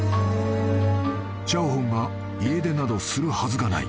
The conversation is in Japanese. ［シャオホンが家出などするはずがない］